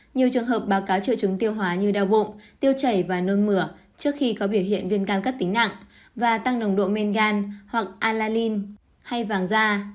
nhiều trường hợp báo cáo triệu chứng tiêu hóa như đau bụng tiêu chảy và nôn mửa trước khi có biểu hiện viêm gan cấp tính nặng và tăng nồng độ men gan hoặc alain hay vàng da